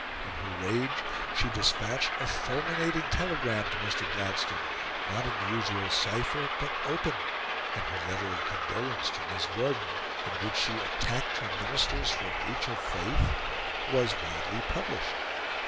In her rage, she despatched a fulminating telegram to Mr. Gladstone, not in the usual cypher, but open; and her letter of condolence to Miss Gordon, in which she attacked her Ministers for breach of faith, was widely published.